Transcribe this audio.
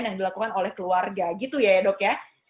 yang dilakukan oleh keluarga gitu ya ya dok ya